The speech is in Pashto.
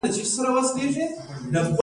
د نورم او سټنډرډ اداره معیارونه ټاکي